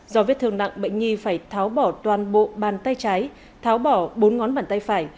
do vết thương nặng bệnh nhi phải tháo bỏ toàn bộ bàn tay trái tháo bỏ bốn ngón bàn tay phải